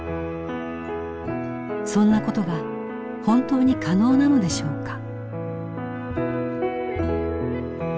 そんなことが本当に可能なのでしょうか？